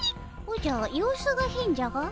おじゃ様子がへんじゃが？